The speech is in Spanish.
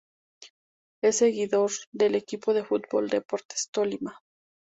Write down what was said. Es seguidor del equipo de fútbol Deportes Tolima.